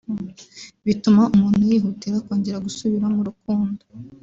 bituma umuntu yihutira kongera gusubira mu rukundo